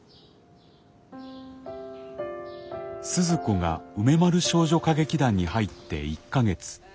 鈴子が梅丸少女歌劇団に入って１か月。